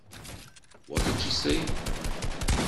What did she say?